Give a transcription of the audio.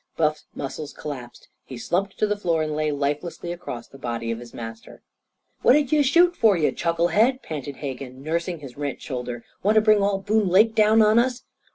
Buff's muscles collapsed. He slumped to the floor and lay lifelessly across the body of his master. "What'd you shoot for, you chucklehead!" panted Hegan, nursing his rent shoulder. "Want to bring all Boone Lake down on us?"